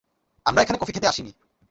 আমরা এখানে কফি খেতে আসিনি।